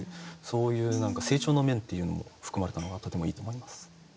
そういう成長の面っていうのも含まれたのがとてもいいと思います。